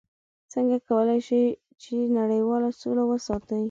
څنګه کولی شي چې نړیواله سوله وساتي؟